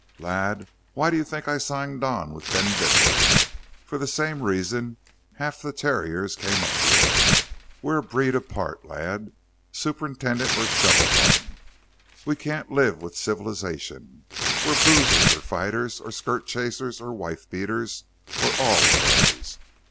"Lad, why do you think I signed on with Ben Vickers?... For the same reason half the terriers came up here. We're a breed apart, lad superintendant or shovel bum. We can't live with civilization. We're boozers or fighters or skirt chasers or wife beaters or all of those.